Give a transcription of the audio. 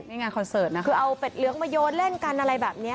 นี่งานคอนเสิร์ทนะค่ะคือเอาแปดเหลืองมายกลัวแล้วเล่นกันอะไรแบบนี้